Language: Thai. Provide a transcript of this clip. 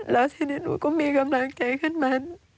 แล้วทีนี้หนูก็มีกำลังใจขึ้นมา